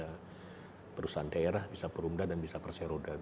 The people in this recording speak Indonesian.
bisa perusahaan daerah bisa perumda dan bisa perse roda